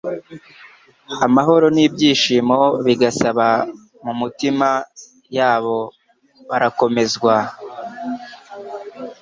Amahoro n' ibyishimo bigasaba mu mitima yabo. Barakomezwa,